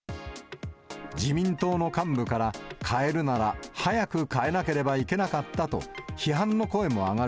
自民党の幹部から、かえるなら早くかえなければいけなかったと、批判の声も上がる